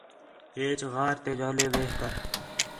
ہیچ غار تے جولے وِہ کر